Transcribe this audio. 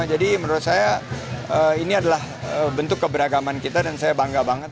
jadi menurut saya ini adalah bentuk keberagaman kita dan saya bangga banget